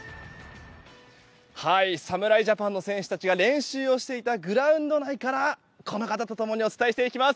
侍ジャパンの選手たちが練習をしていたグラウンド内からこの方と共にお伝えします。